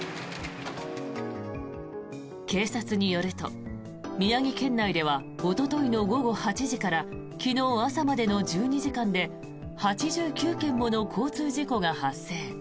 警察によると、宮城県内ではおとといの午後８時から昨日朝までの１２時間で８９件もの交通事故が発生。